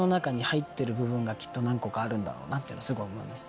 部分がきっと何個かあるんだろうってすごい思います。